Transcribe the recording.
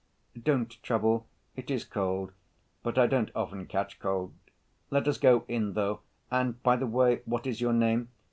"Don't trouble; it is cold, but I don't often catch cold. Let us go in, though, and, by the way, what is your name?